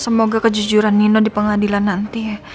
semoga kejujuran nino di pengadilan nanti ya